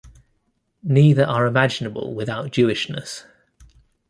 Neither are imaginable without Jewishness.